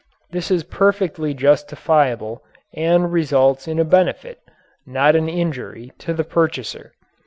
This is perfectly justifiable and results in a benefit, not an injury, to the purchaser.